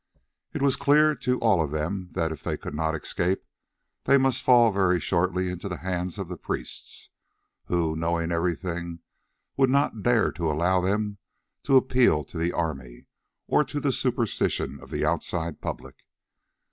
It was clear to all of them that if they could not escape, they must fall very shortly into the hands of the priests, who, knowing everything, would not dare to allow them to appeal to the army, or to the superstition of the outside public.